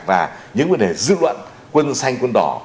và những vấn đề dư luận quân xanh quân đỏ